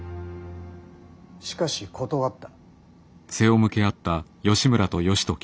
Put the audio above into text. しかし断った。